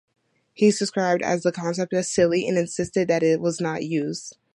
He described the concept as "silly", and insisted that it was not used.